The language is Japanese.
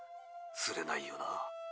つれないよな。